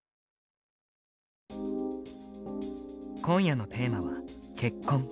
今夜のテーマは結婚。